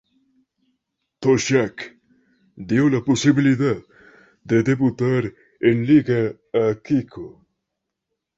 Toshack dio la posibilidad de debutar en Liga a "Kiko".